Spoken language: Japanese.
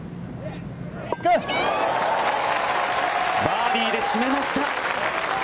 バーディーで締めました！